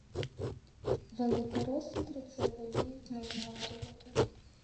Великороси про це воліють не згадувати